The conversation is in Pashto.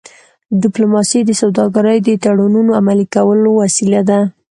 ډيپلوماسي د سوداګری د تړونونو عملي کولو وسیله ده.